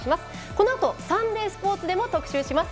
このあと「サンデースポーツ」でも特集します。